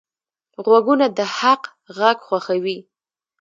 غوږونه د حق غږ خوښوي